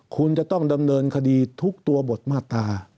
คุณจะต้องดำเนินคดีทุกตัวบทมาตรา